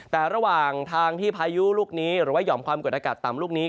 แต่ระหว่างทางที่พายุลูกนี้หรือว่าห่อมความกดอากาศต่ำลูกนี้